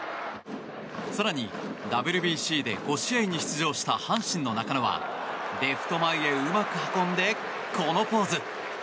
更に、ＷＢＣで５試合に出場した阪神の中野はレフト前へうまく運んでこのポーズ。